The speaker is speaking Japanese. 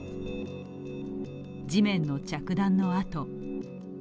地面の着弾の跡。